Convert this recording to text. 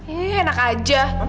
iya enak aja